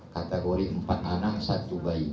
kategori empat anak satu bayi